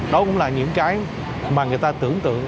đó cũng là những cái mà người ta tưởng tượng